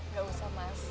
gak usah mas